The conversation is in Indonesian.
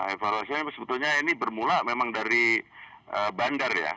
evaluasi ini sebetulnya ini bermula memang dari bandar ya